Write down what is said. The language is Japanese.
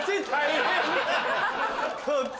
こっち